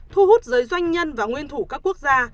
thu hút giới doanh nhân và nguyên thủ các quốc gia